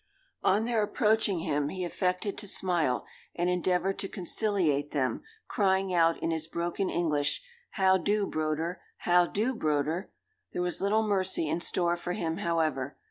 On their approaching him, he affected to smile, and endeavoured to conciliate them, crying out, in his broken English, "How do, broder? how do, broder?" There was little mercy in store for him, however.